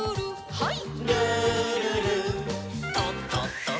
はい。